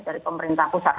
dari pemerintah pusat